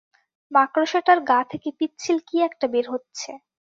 মাকড়সাটার গা থেকে পিচ্ছিল কি একটা বের হচ্ছে।